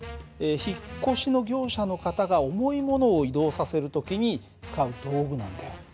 引っ越しの業者の方が重いものを移動させる時に使う道具なんだよ。